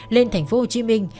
lên thành phố hồ chí minh